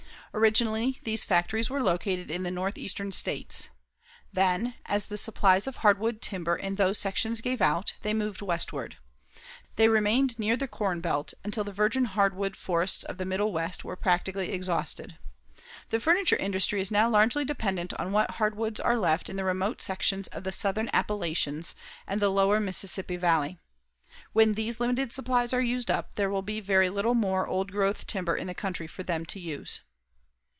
Originally, these factories were located in the Northeastern States. Then, as the supplies of hardwood timber in those sections gave out, they moved westward. They remained near the Corn Belt until the virgin hardwood forests of the Middle West were practically exhausted. The furniture industry is now largely dependent on what hardwoods are left in the remote sections of the Southern Appalachians and the lower Mississippi Valley. When these limited supplies are used up, there will be very little more old growth timber in the country for them to use.